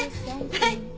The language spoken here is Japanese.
はい。